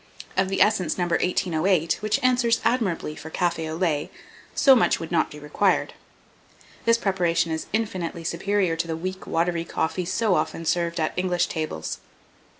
Of the essence No. 1808, which answers admirably for 'cafe an lait', so much would not be required. This preparation is infinitely superior to the weak watery coffee so often served at English tables.